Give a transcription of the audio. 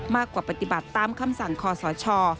มากกว่าปฏิบัติตามคำสั่งขอสช